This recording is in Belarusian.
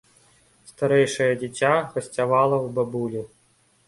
Старэйшае дзіця гасцявала ў бабулі.